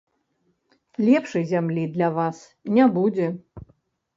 Лепшай зямлі для вас не будзе.